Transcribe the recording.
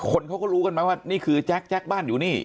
คนเขาก็รู้กันไหมว่านี่คือแจ๊คบ้านอยู่นี่